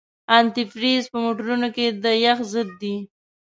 انتي فریز په موټرونو کې د یخ ضد دی.